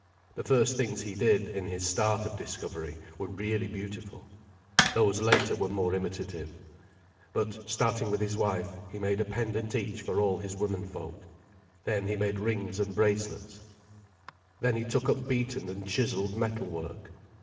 The first things he did, in his start of discovery, were really beautiful. Those later were more imitative. But, starting with his wife, he made a pendant each for all his womenfolk. Then he made rings and bracelets. Then he took up beaten and chiselled metal work.